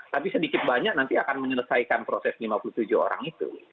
tapi sedikit banyak nanti akan menyelesaikan proses lima puluh tujuh orang itu